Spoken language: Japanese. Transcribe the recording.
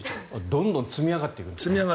どんどん積み上がっているんですね。